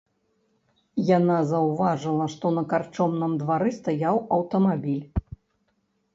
Яна заўважыла, што на карчомным двары стаяў аўтамабіль.